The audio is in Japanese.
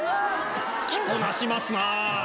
着こなしますな！